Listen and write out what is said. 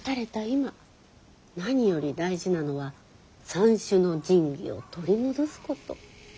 今何より大事なのは三種の神器を取り戻すこと。